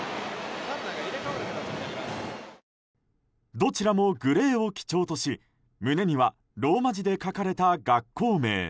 どちらもグレーを基調とし胸にはローマ字で書かれた学校名。